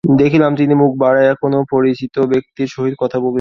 দেখিলাম, তিনি মুখ বাড়াইয়া কোন পরিচিত ব্যক্তির সহিত কথা কহিতেছেন।